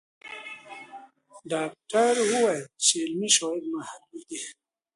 ډاکټره وویل چې علمي شواهد محدود دي.